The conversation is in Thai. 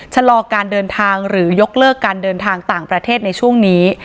ชะลอการเดินทางหรือยกเลิกการเดินทางต่างประเทศในช่วงนี้